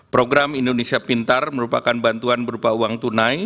program indonesia pintar merupakan bantuan berupa uang tunai